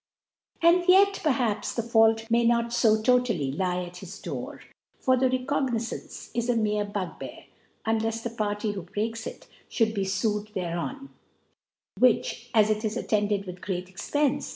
And yet, perhaps, the Fault may not {o iCotally lie at his Door; for the Recogni zance is a mere Bugbear, unlefs the Party who ( 44 ) t«^ho breaks it, fliould be fued thereon ; which, as it is attended with great Expencc